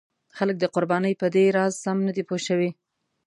خلک د قربانۍ په دې راز سم نه دي پوه شوي.